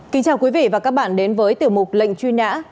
kính chào quý vị và các bạn đến với tiểu mục lệnh truy nã